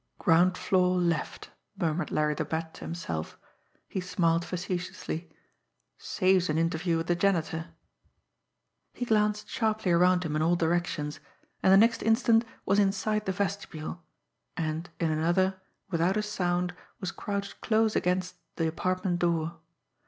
"Ground floor left," murmured Larry the Bat to himself. He smiled facetiously. "Saves an interview with the janitor!" He glanced sharply around him in all directions and the next instant was inside the vestibule and in another, without a sound, was crouched close against the apartment door.